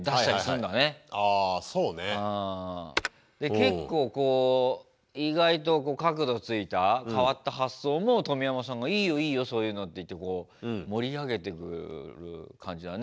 結構意外と角度ついた変わった発想も冨山さんが「いいよいいよそういうの」って言って盛り上げてくる感じだね。